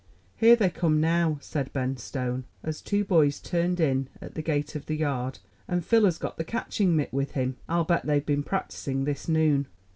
"Here they come now," said Ben Stone, as two boys turned in at the gate of the yard; "and Phil has got the catching mitt with him. I'll bet they've been practicing this noon."